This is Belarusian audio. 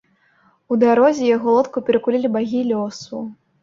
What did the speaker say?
У дарозе яго лодку перакулілі багі лёсу.